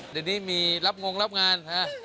เดินที่นี้มีรับงงรับงาน